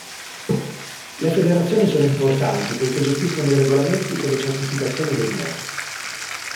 Le federazioni sono importanti poiché gestiscono i regolamenti e le certificazioni del nuoto.